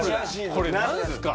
これ何すか？